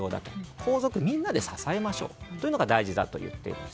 皇族みんなで支えましょうというのが大事だといっているんです。